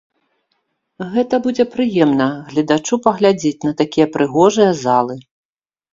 Гэта будзе прыемна гледачу паглядзець на такія прыгожыя залы.